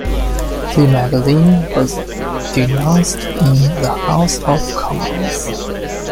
The magazine was denounced in the House of Commons.